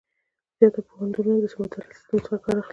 زیات پوهنتونونه د سمستر له سیسټم څخه کار اخلي.